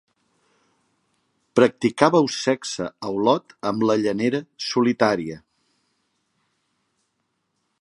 Practicàveu sexe a Olot amb la llanera solitària.